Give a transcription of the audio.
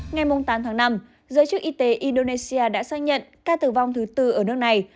ngày tám tháng năm giới chức y tế indonesia đã xác nhận ca tử vong thứ tư ở nước này